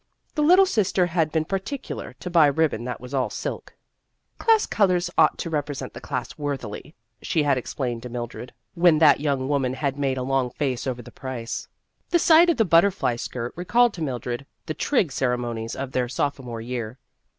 The little sister had been par ticular to buy ribbon that was all silk. 152 For the Honor of the Class 153 " Class colors ought to represent the class worthily," she had explained to Mildred, when that young woman had made a long face over the price. The sight of the butterfly skirt recalled to Mildred the Trig Ceremonies of their sophomore year.